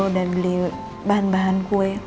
dan beli bahan bahan kue